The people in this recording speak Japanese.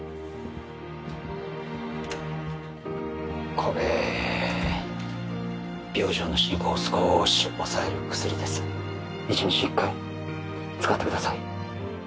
これ病状の進行を少し抑える薬です１日１回使ってください